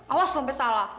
awas loh sampe salah